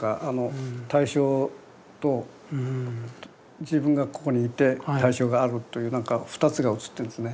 対象と自分がここにいて対象があるという何か２つが写ってるんですね。